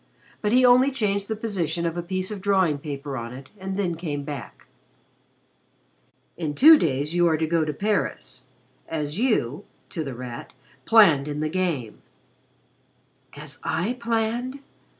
But he only changed the position of a piece of drawing paper on it and then came back. "In two days you are to go to Paris as you," to The Rat, "planned in the game." "As I planned?"